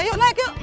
yuk naik yuk